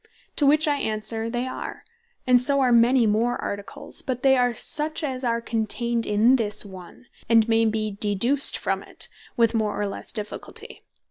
To which I answer, they are; and so are many more Articles: but they are such, as are contained in this one, and may be deduced from it, with more, or lesse difficulty.